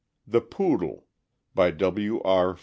THE POODLE. BY W. R.